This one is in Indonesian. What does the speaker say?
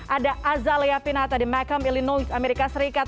ada azalea pinata di macham illinois amerika serikat